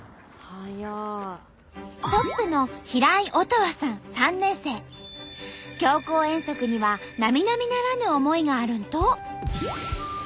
トップの強行遠足にはなみなみならぬ思いがあるんと。